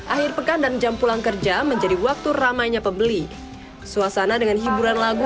akhir pekan dan jam pulang kerja menjadi waktu ramainya pembeli suasana dengan hiburan lagu